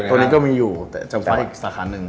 ตัวนี้ก็มีอยู่แต่จะคว้าอีกสาขาหนึ่ง